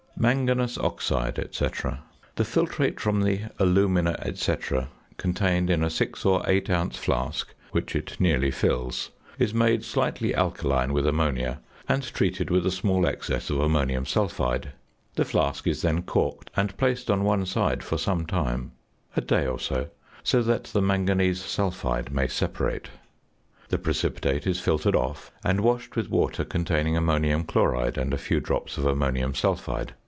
~Manganous oxide, &c.~ The filtrate from the "alumina, &c." contained in a 6 or 8 ounce flask, which it nearly fills, is made slightly alkaline with ammonia and treated with a small excess of ammonium sulphide; the flask is then corked and placed on one side for some time (a day or so) so that the manganese sulphide may separate. The precipitate is filtered off and washed with water containing ammonium chloride and a few drops of ammonium sulphide.